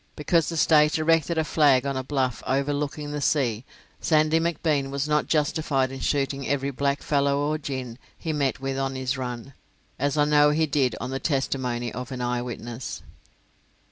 Because the State erected a flag on a bluff overlooking the sea, Sandy McBean was not justified in shooting every blackfellow or gin he met with on his run, as I know he did on the testimony of an eye witness.